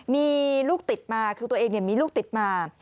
มีลูกติดมาคือตัวเองมีลูกติดมา